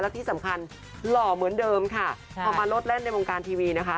ที่สำคัญหล่อเหมือนเดิมค่ะพอมาลดแล่นในวงการทีวีนะคะ